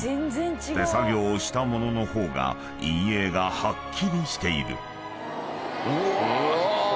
［手作業をした物の方が陰影がはっきりしている］うわ！